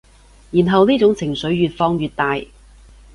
然後呢種情緒越放越大